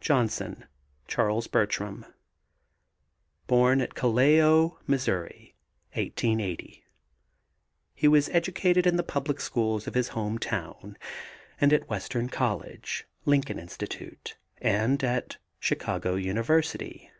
JOHNSON, CHARLES BERTRAM. Born at Callao, Mo., 1880. He was educated in the public schools of his home town and at Western College, Lincoln Institute and at Chicago University.